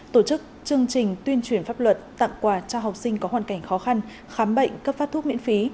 tổ chức chương trình tuyên truyền pháp luật tặng quà cho học sinh có hoàn cảnh khó khăn khám bệnh cấp phát thuốc miễn phí